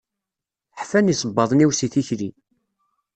Ḥfan yisebbaḍen-iw si tikli.